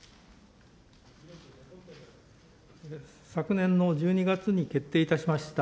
昨年の１２月に決定いたしました